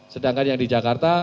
sedangkan yang di jakarta